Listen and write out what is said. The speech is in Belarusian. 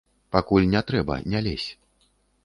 Пакуль не трэба, не лезь.